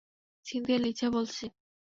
Cynthia, Lisa বলছি।